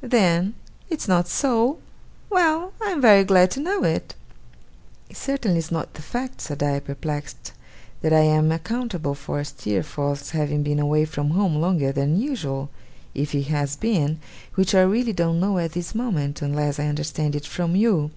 Then, it's not so? Well! I am very glad to know it.' 'It certainly is not the fact,' said I, perplexed, 'that I am accountable for Steerforth's having been away from home longer than usual if he has been: which I really don't know at this moment, unless I understand it from you.